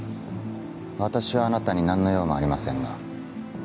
私はあなたに何の用もありませんが。